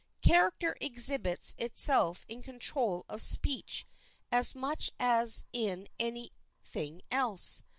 Character exhibits itself in control of speech as much as in any thing else.